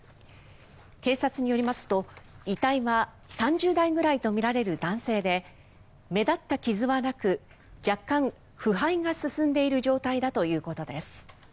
警察によりますと、遺体は３０代ぐらいとみられる男性で目立った傷はなく若干、腐敗が進んでいる状態だということです。